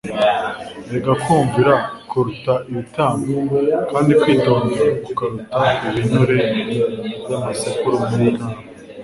Erega kumvira klumta ibitambo, kandi kwitonda kukaruta ibinure by'amasekurume y'intama".